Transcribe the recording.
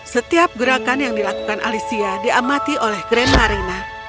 setiap gerakan yang dilakukan alicia diamati oleh grand marina